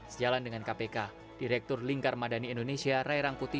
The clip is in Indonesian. sejalan dengan kpk direktur lingkar madani indonesia rai rangkuti